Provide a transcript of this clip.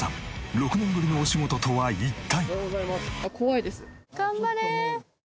６年ぶりのお仕事とは一体！？